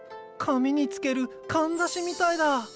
髪につけるかんざしみたいだ。